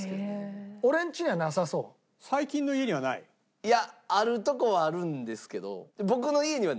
いやあるとこはあるんですけど。